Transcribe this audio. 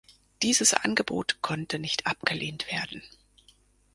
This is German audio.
Dieses Angebot konnte nicht abgelehnt werden.